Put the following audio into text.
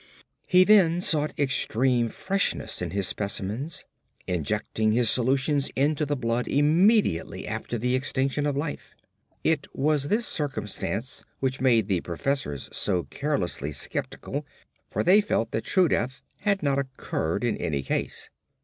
He then sought extreme freshness in his specimens, injecting his solutions into the blood immediately after the extinction of life. It was this circumstance which made the professors so carelessly sceptical, for they felt that true death had not occurred in any case.